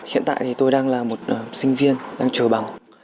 hiện tại thì tôi đang là một sinh viên đang chờ bằng